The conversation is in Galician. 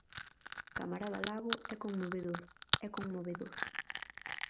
Camarada Lago, é conmovedor, é conmovedor.